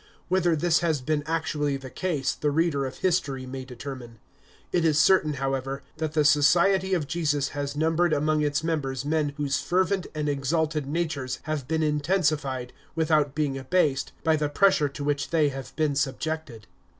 Whether this has been actually the case, the reader of history may determine. It is certain, however, that the Society of Jesus has numbered among its members men whose fervent and exalted natures have been intensified, without being abased, by the pressure to which they have been subjected.